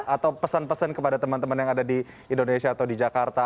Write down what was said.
atau pesan pesan kepada teman teman yang ada di indonesia atau di jakarta